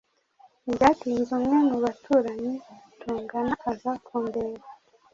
Ntibyatinze umwe mu baturanyi tungana aza kundeba.